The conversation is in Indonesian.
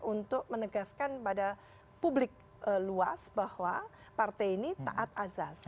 untuk menegaskan pada publik luas bahwa partai ini taat azas